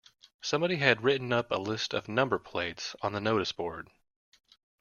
Somebody had written up a list of number plates on the noticeboard